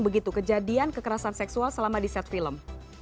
begitu kejadian kekerasan seksual selama di set film